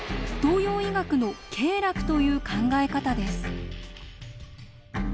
東洋医学の経絡という考え方です。